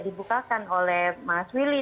dibukakan oleh mas willy